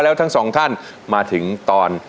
แล้วทั้งสองท่านมาถึงตอน